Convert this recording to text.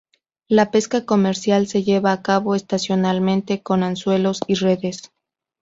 La pesca comercial se lleva a cabo estacionalmente, con anzuelos y redes.